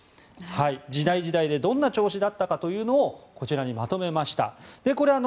時代、時代でどんな調子だったのかをこちらにまとめました。